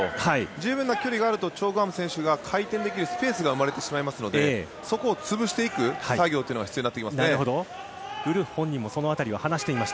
十分な距離があるとチョ・グハム選手が回転できるスペースが生まれてしまいますのでそこを潰していく作業というのが必要になります。